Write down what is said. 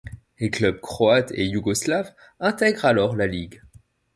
Les clubs croates et yougoslaves intègrent alors la ligue.